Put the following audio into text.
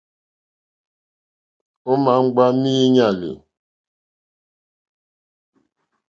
Ò ma ŋgba miinyali?